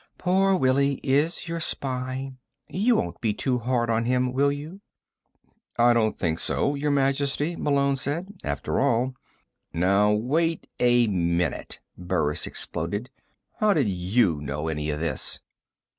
"Poor Willie is your spy. You won't be too hard on him, will you?" "I don't think so. Your Majesty," Malone said. "After all " "Now wait a minute," Burris exploded. "How did you know any of this?"